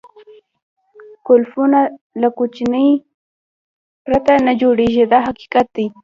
قلفونه له کونجۍ پرته نه جوړېږي دا حقیقت دی.